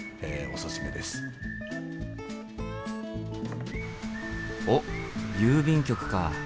おっ郵便局か。